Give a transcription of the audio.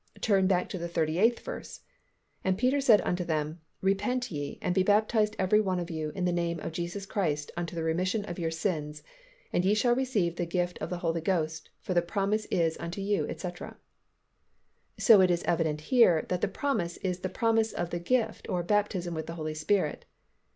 Turn back to the thirty eighth verse, "And Peter said unto them, Repent ye, and be baptized every one of you in the name of Jesus Christ unto the remission of your sins; and ye shall receive the gift of the Holy Ghost; for the promise is unto you, etc." So it is evident here that the promise is the promise of the gift or baptism with the Holy Spirit.